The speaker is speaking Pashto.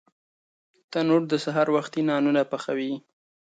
تنور د سهار وختي نانونه پخوي